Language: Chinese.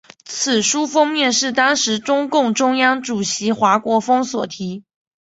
此书封面是当时中共中央主席华国锋所题。